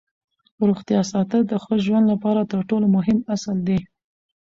روغتیا ساتل د ښه ژوند لپاره تر ټولو مهم اصل دی